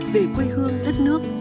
về quê hương đất nước